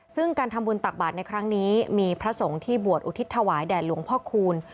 ซึ่งการทำบุญตักบาทในครั้งนี้มีพระสงฆ์ที่บวชอุทิศถวายแด่หลวงพ่อคูณ